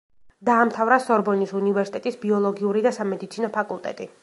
დაამთავრა სორბონის უნივერსიტეტის ბიოლოგიური და სამედიცინო ფაკულტეტი.